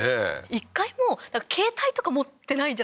１回も携帯とか持ってないじゃないですか